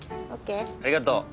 ありがとう。